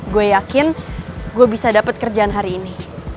gue yakin gue bisa dapat kerjaan hari ini